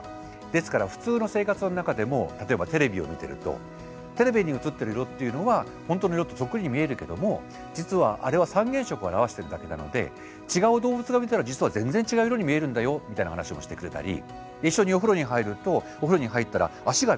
ですから普通の生活の中でも例えばテレビを見てるとテレビに映っている色っていうのは本当の色とそっくりに見えるけども実はあれは三原色を表してるだけなので違う動物が見たら実は全然違う色に見えるんだよみたいな話もしてくれたり一緒にお風呂に入るとお風呂に入ったら脚が短く見えるじゃないですか。